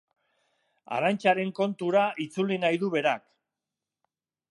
Arantxaren kontura itzuli nahi du berak.